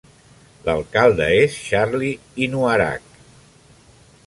L'alcalde és Charlie Inuarak.